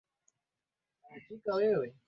Mwanafunzi wangu ni kioo cha jamii.